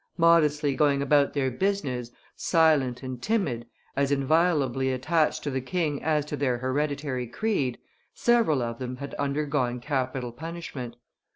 Modestly going about their business, silent and timid, as inviolably attached to the king as to their hereditary creed, several of them had undergone capital punishment.